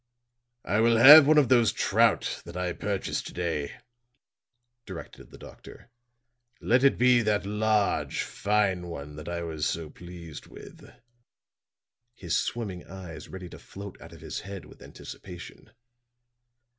"I will have one of those trout that I purchased to day," directed the doctor. "Let it be that large, fine one that I was so pleased with," his swimming eyes ready to float out of his head with anticipation.